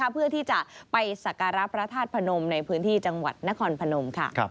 เพื่อที่จะไปสักการะพระธาตุพนมในพื้นที่จังหวัดนครพนม